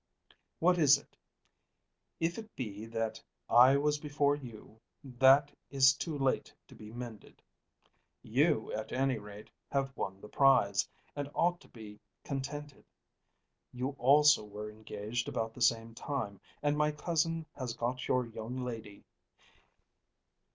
What is it? If it be that I was before you, that is too late to be mended. You, at any rate, have won the prize, and ought to be contented. You also were engaged about the same time, and my cousin has got your young lady.